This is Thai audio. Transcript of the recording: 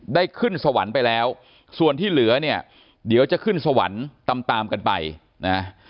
ขึ้นสวรรค์ไปแล้วส่วนที่เหลือเนี่ยเดี๋ยวจะขึ้นสวรรค์ตามตามกันไปนะ